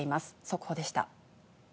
速報でした。